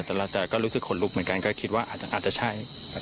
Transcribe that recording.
แต่เราแต่ก็รู้สึกขนลุกเหมือนกันก็คิดว่าอาจจะใช่